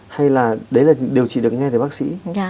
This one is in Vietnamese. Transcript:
hay là đấy là điều trị được nghe từ bác sĩ